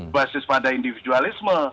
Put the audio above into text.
basis pada individualisme